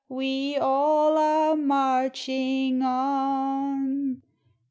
We all are marching on.